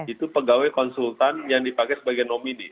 itu pegawai konsultan yang dipakai sebagai nomini